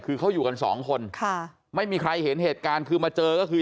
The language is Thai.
คือเขาอยู่กันสองคนค่ะไม่มีใครเห็นเหตุการณ์คือมาเจอก็คือ